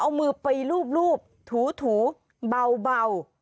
เอามือไปรูปถูเบา